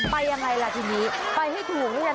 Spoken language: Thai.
ไปอย่างไรล่ะทีนี้ไปให้ถูกนะท่าน